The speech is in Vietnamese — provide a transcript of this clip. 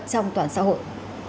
trong toàn xã hội